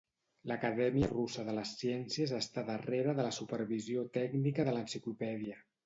L'Acadèmia Russa de les Ciències està darrere de la supervisió tècnica de l'enciclopèdia.